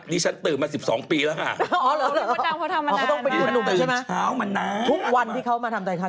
นี่ฉันตื่นมา๑๒ปีแหละค่ะ